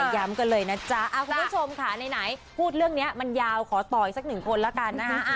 ย้ำกันเลยนะจ๊ะคุณผู้ชมค่ะไหนพูดเรื่องนี้มันยาวขอต่ออีกสักหนึ่งคนละกันนะคะ